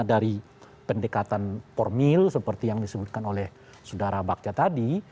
dari pendekatan formil seperti yang disebutkan oleh sudara bagja tadi